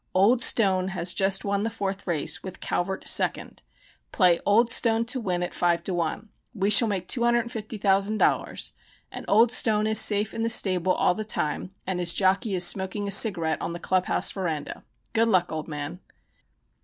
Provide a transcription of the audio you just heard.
Old Stone has just won the fourth race, with Calvert second. Play Old Stone to win at 5 to 1. We shall make $250,000 and Old Stone is safe in the stable all the time and his jockey is smoking a cigarette on the club house veranda. Good luck, old man."